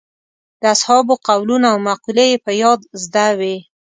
د اصحابو قولونه او مقولې یې په یاد زده وې.